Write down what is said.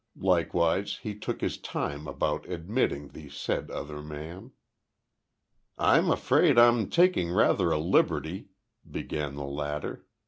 Likewise he took his time about admitting the said other man. "I'm afraid I'm taking rather a liberty," began the latter.